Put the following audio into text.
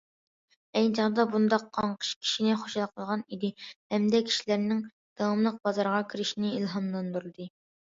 ئەينى چاغدا، بۇنداق قاڭقىش كىشىنى خۇشال قىلغان ئىدى ھەمدە كىشىلەرنىڭ داۋاملىق بازارغا كىرىشىنى ئىلھاملاندۇردى.